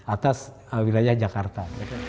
atas wilayah jakarta